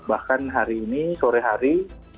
bahkan hari ini sore hari